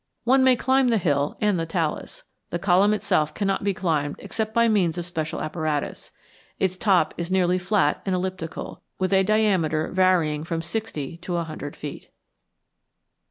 One may climb the hill and the talus. The column itself cannot be climbed except by means of special apparatus. Its top is nearly flat and elliptical, with a diameter varying from sixty to a hundred feet.